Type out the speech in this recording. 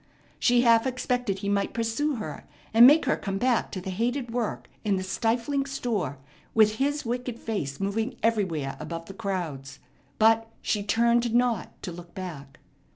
She half expected he might pursue her, and make her come back to the hated work in the stifling store with his wicked face moving everywhere above the crowds. But she turned not to look back.